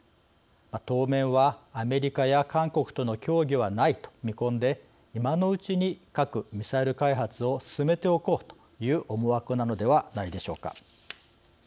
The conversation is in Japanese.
当面は、アメリカや韓国との協議はないと見込んで今のうちに核・ミサイル開発を進めておこうという思惑なのではないでしょうか。